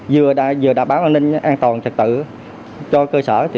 vừa đảm bảo an ninh an toàn trật tự cho cơ sở